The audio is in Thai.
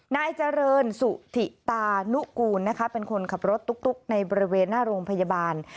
นายเจริญสุธิตานุกูลนะคะเป็นคนขับรถตุ๊กในบริเวณหน้าโรงพยาบาล